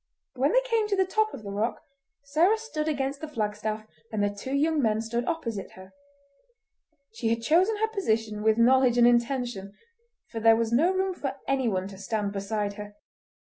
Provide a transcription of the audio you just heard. When they came to the top of the rock, Sarah stood against the flagstaff, and the two young men stood opposite her. She had chosen her position with knowledge and intention, for there was no room for anyone to stand beside her.